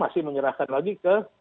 masih menyerahkan lagi ke